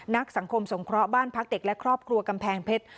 นักสังคมสงเคราะห์บ้านพักเด็กและครอบครัวกำแพงเพชร